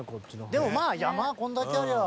でもまあ山こんだけありゃ。